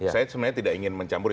saya sebenarnya tidak ingin mencampuri